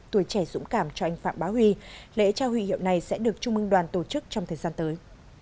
tuổi trẻ dũng cảm cho anh phạm bá huy lễ trao huy hiệu này sẽ được trung mương đoàn tổ chức trong thời gian tới